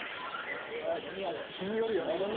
日によるよね。